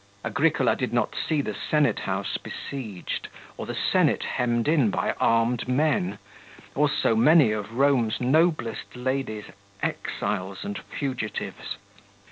45 Agricola did not see the senate house besieged, or the senate hemmed in by armed men, or so many of Rome's noblest ladies exiles and fugitives.